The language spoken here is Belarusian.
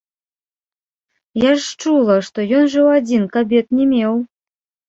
Я ж чула, што ён жыў адзін, кабет не меў.